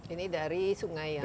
ini dari sungai ya